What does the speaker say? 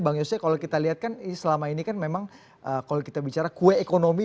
bang yose kalau kita lihat kan selama ini kan memang kalau kita bicara kue ekonomi